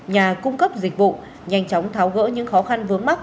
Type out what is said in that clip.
nhà cung cấp dịch vụ nhanh chóng tháo gỡ những khó khăn vướng mắt